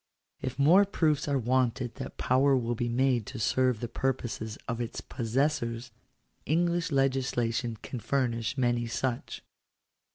If more proofs are wanted that power will be made to serve the purposes of its possessors, English legislation can furnish many such.